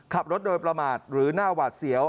ขับรถโดยประมาทหรือหน้าหวาดเสียว